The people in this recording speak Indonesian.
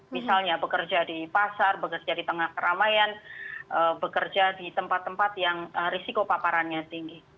misalnya bekerja di pasar bekerja di tengah keramaian bekerja di tempat tempat yang risiko paparannya tinggi